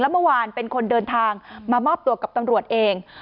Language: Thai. เมื่อวานเป็นคนเดินทางมามอบตัวกับตำรวจเอง